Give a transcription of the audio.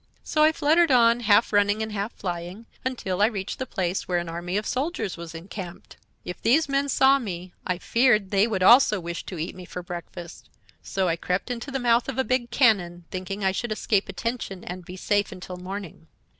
So I fluttered on, half running and half flying, until I reached the place where an army of soldiers was encamped. If these men saw me I feared they would also wish to eat me for breakfast; so I crept into the mouth of a big cannon, thinking I should escape attention and be safe until morning.